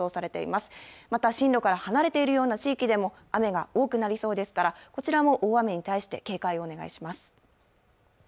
また、進路から離れているような地域でも雨が多くなりそうですから、こちらも大雨に対して警戒をお願いします。